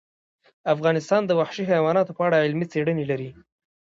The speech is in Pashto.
افغانستان د وحشي حیوانات په اړه علمي څېړنې لري.